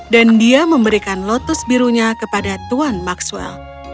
dan dia memberikan lotus birunya kepada tuan maxwell